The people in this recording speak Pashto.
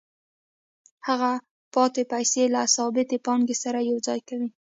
هغه پاتې پیسې له ثابتې پانګې سره یوځای کوي